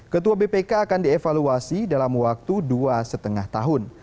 ketua bpk akan dievaluasi dalam waktu dua lima tahun